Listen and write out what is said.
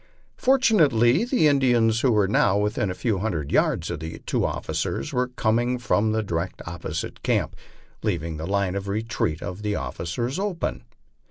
Fortunately the Indians, who were now within a few hundred yards of the two officers, were coming from the di rection opposite camp, leaving the line of retreat of the officers open.